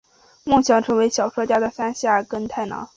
梦想成为小说家的山下耕太郎！